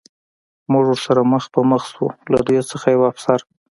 موږ ورسره مخ په مخ شو، له دوی څخه یوه افسر.